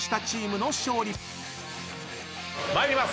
参ります。